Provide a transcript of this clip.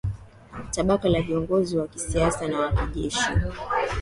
Tabaka la viongozi wa kisiasa na wa kijeshi